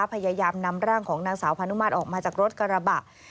พยายามนำร่างของนางสาวพานุมาตรออกมาจากรถกระบะ